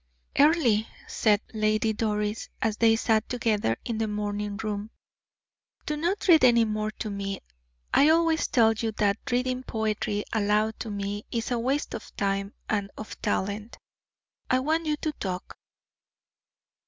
"Earle," said Lady Doris, as they sat together in the morning room, "do not read any more to me. I always tell you that reading poetry aloud to me is a waste of time and of talent. I want you to talk."